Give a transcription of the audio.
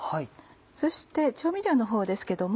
そして調味料の方ですけども。